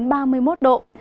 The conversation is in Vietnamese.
có nơi cao hơn